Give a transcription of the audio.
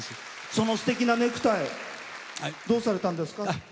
そのすてきなネクタイどうされたんですか？